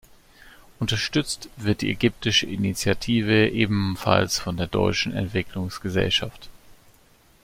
Unterstützt wird die ägyptische Initiative ebenfalls von der Deutschen Entwicklungsgesellschaft.